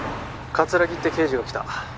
☎葛城って刑事が来た